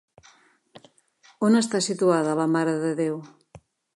On està situada la Mare de Déu?